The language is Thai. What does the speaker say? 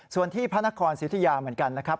ส่วนที่พระนครสิทธิยาเหมือนกันนะครับ